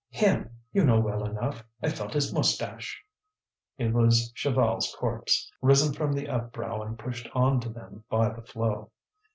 "Him! You know well enough. I felt his moustache." It was Chaval's corpse, risen from the upbrow and pushed on to them by the flow.